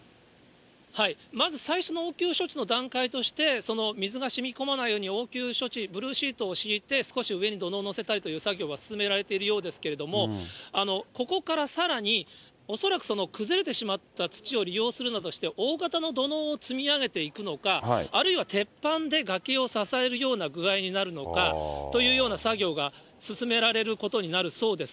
まず最初の応急処置の段階として、水がしみこまないように応急処置、ブルーシートを敷いて、少し上に土のうを乗せたりという作業が進められているようですけれども、ここからさらに、おそらく崩れてしまった土を利用するなどして、大型の土のうを積み上げていくのか、あるいは鉄板で崖を支えるような具合になるのかというような作業が進められることになるそうです。